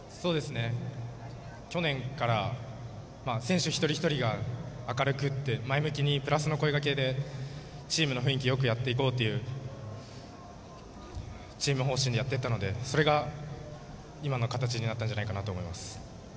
去年から選手一人ひとりが明るく前向きにプラスの声がけでチームの雰囲気よくやっていこうというチーム方針でやっていったのでそれが今の形になったと思います。